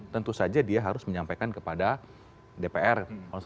tentu saja dia harus menyampaikan kepada dpr